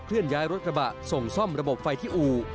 เลื่อนย้ายรถกระบะส่งซ่อมระบบไฟที่อู่